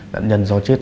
nạn nhân do chết